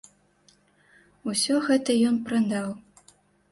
Усё гэта ён прадаў.